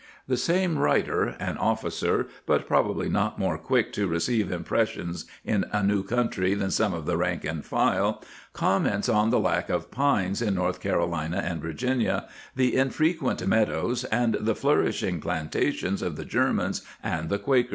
^ The same writer — an officer, but probably "not more quick to receive impressions in a new coun try than some of the rank and file — comments on the lack of pines in North Carolina and Virginia, the infrequent meadows, and the flourishing plan tations of the Germans and the Quakers.